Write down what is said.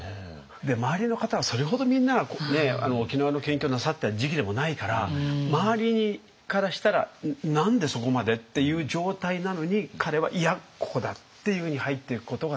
周りの方はそれほどみんなが沖縄の研究をなさった時期でもないから周りからしたら「何でそこまで？」っていう状態なのに彼は「いやここだ！」っていうふうに入っていくことがすごい。